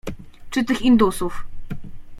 "Czy tych indusów?"